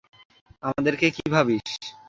আমাদেরকে কী ভাবিস?